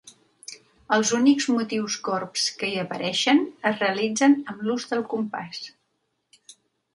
Els únics motius corbs que hi apareixen es realitzen amb l'ús del compàs.